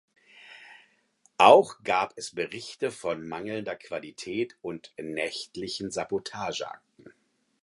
Auch gab es Berichte von mangelnder Qualität und nächtlichen Sabotageakten.